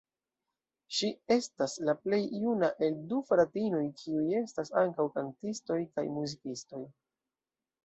Ŝi estas la plej juna el du fratinoj, kiuj estas ankaŭ kantistoj kaj muzikistoj.